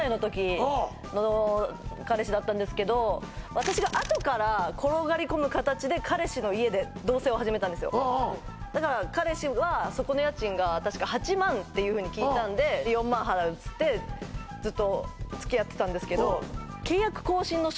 私があとから転がり込む形で彼氏の家で同棲を始めたんですよああああだから彼氏はそこの家賃が確か８万っていうふうに聞いたんで「４万払う」っつってずっとつきあってたんですけどああ